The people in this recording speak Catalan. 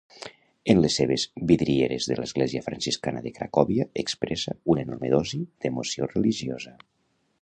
En les seves vidrieres de l'església franciscana de Cracòvia expressa una enorme dosi d'emoció religiosa.